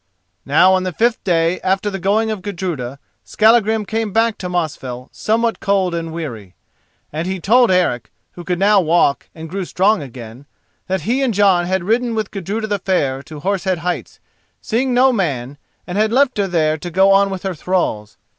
Now on the fifth day after the going of Gudruda, Skallagrim came back to Mosfell somewhat cold and weary. And he told Eric, who could now walk and grew strong again, that he and Jon had ridden with Gudruda the Fair to Horse Head Heights, seeing no man, and had left her there to go on with her thralls.